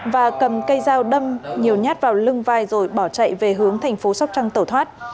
và cầm cây dao đâm nhiều nhát vào lưng vai rồi bỏ chạy về hướng thành phố sóc trăng tẩu thoát